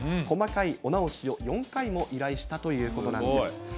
細かいお直しを４回も依頼したということなんです。